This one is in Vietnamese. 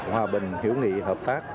hòa bình hiểu nghị hợp tác